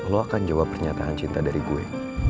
lo akan jawab pernyataan cinta dari gue